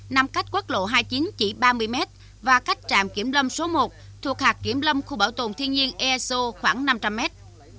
nằm cách quốc lộ hai mươi chín chỉ ba mươi mét và cách trạm kiểm lâm số một thuộc hạt kiểm lâm khu bảo tồn thiên nhiên easo khoảng năm trăm linh mét